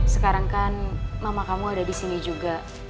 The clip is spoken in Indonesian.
sekarang kan mama kamu ada disini juga